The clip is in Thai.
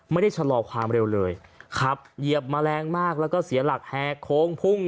ไม่ได้ชะลอความเร็วเลยขับเหยียบแมลงมากแล้วก็เสียหลักแหกโค้งพุ่ง